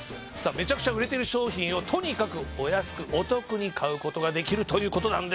めちゃくちゃ売れてる商品をとにかくお安くお得に買うことができるということなんです。